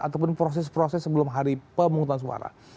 ataupun proses proses sebelum hari pemungutan suara